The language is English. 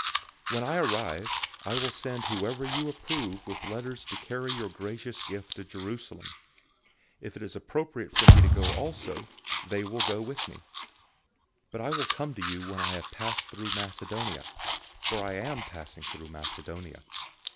016:003 When I arrive, I will send whoever you approve with letters to carry your gracious gift to Jerusalem. 016:004 If it is appropriate for me to go also, they will go with me. 016:005 But I will come to you when I have passed through Macedonia, for I am passing through Macedonia.